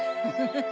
フフフ。